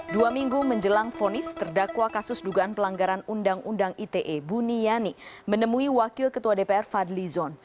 dua minggu menjelang vonis terdakwa kasus dugaan pelanggaran undang undang ite buniyani menemui wakil ketua dpr fadli zon